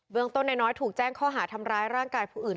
เมืองต้นนายน้อยถูกแจ้งข้อหาทำร้ายร่างกายผู้อื่น